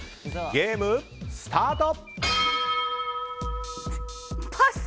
ゲームスタート！